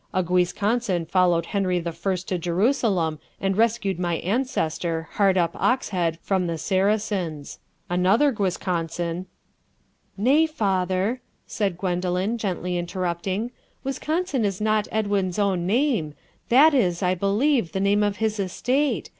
A Guisconsin followed Henry I to Jerusalem and rescued my ancestor Hardup Oxhead from the Saracens. Another Guisconsin...." "Nay, father," said Gwendoline, gently interrupting, "Wisconsin is not Edwin's own name: that is, I believe, the name of his estate.